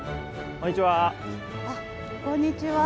あっこんにちは。